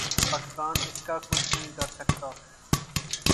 پاکستان اس کا کچھ نہیں کر سکتا۔